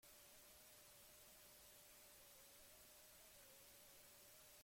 Egia esan, bizitza oso zoroa da.